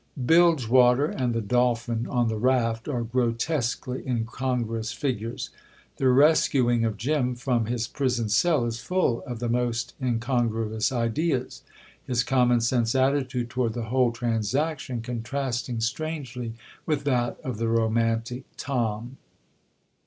Bilgewater and the Dolphin on the raft are grotesquely incongruous figures. The rescuing of Jim from his prison cell is full of the most incongruous ideas, his common sense attitude toward the whole transaction contrasting strangely with that of the romantic Tom.